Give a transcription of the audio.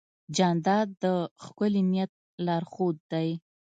جانداد د ښکلي نیت لارښود دی.